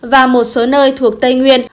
và một số nơi thuộc tây nguyên